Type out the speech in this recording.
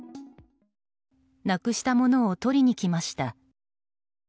なくしたものを取りに来ました。